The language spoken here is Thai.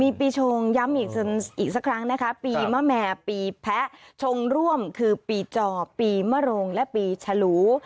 มีปีชงย้ำอีกสักครั้งนะคะปีมะแม่ปีแพะชงร่วมคือปีจอปีมโรงและปีฉลู